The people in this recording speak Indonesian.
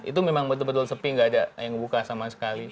itu memang betul betul sepi gak ada yang buka sama sekali